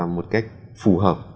một cách phù hợp